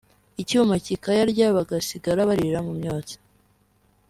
icyuma kikayarya bagasigara baririra mu myotsi